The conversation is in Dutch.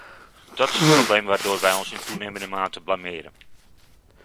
Dat is het probleem waardoor wij ons in toenemende mate blameren.